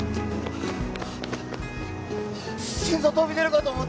心臓飛び出るかと思った。